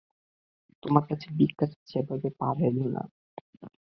তোমার কাছে ভিক্ষা চাচ্ছি এভাবে পা বেঁধো না।